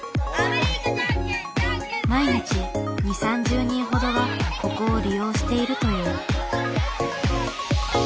毎日２０３０人ほどがここを利用しているという。